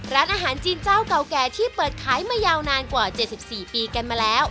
ร้านอาหารจีนเจ้าเก่าแก่ที่เปิดขายมายาวนานกว่า๗๔ปีกันมาแล้ว